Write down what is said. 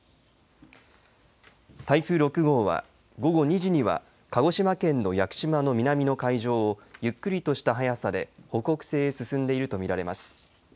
台風６号は午後２時には鹿児島県の屋久島の南の海上をゆっくりとした速さで北北西へ進んでいると見られます。